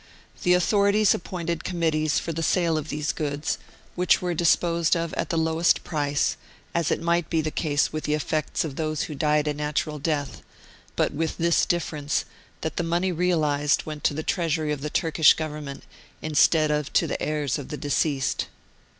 The authorities appointed committees for the sale of these goods, which were disposed of at the lowest price, as might be the case with the effects of those who die a natural death, but with this difference, that the money realised went to the Treasury of the Turkish Government, instead of to the heirs of the deceased.